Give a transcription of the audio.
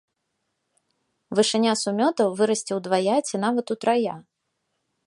Вышыня сумётаў вырасце ўдвая ці нават утрая.